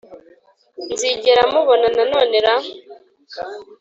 nzigera mubona nanone ra